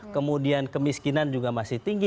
kemudian kemiskinan juga masih tinggi